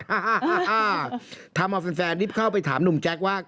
ฮาฮาฮาฮาทำเอาแฟนแฟนริปเข้าไปถามหนุ่มแจ็คว่า